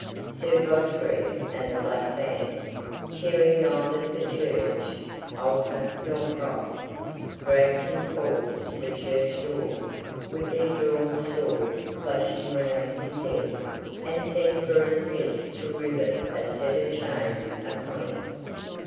Sir Godfrey and the Black Band, caring neither for church, altar, nor cross, dragged him forth to the church door, with their drawn swords flashing round his head, and sent for a Smith to rivet a set of chains upon him.